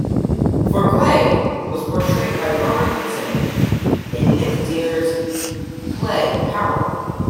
Fouquet was portrayed by Robert Lindsay in Nick Dear's play "Power".